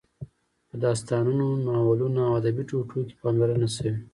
په داستانونو، ناولونو او ادبي ټوټو کې پاملرنه شوې.